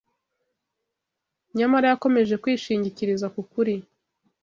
nyamara yakomeje kwishingikiriza ku kuri